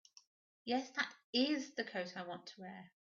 Yes, that IS the coat I want to wear.